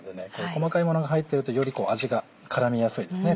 細かいものが入ってるとより味が絡みやすいですね。